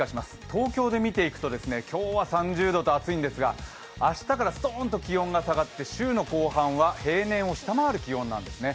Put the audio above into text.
東京で見ていくと今日は３０度と暑いんですが明日からストーンと気温が下がって週の後半は平年を下回る気温なんですね。